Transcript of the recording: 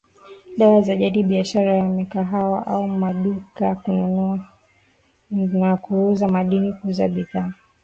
dawa za jadi biashara ya mikahawa au maduka kununua na kuuza madini kuuza bidhaa